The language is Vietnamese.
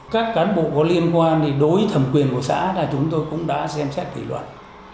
các cán bộ có liên quan thì đối với thẩm quyền của xã là chúng tôi cũng đã xem xét kỷ luật